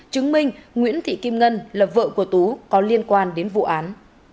chứng minh nguyễn thị kim ngân là vợ của tú có liên quan đến vụ án